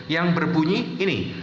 yang berbunyi ini